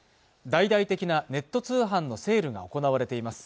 大々的なネット通販のセールが行われています